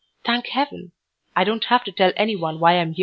Thank Heaven, I don't have to tell any one why I am here!